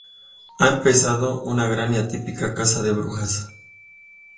Ha empezado una gran y atípica caza de brujas.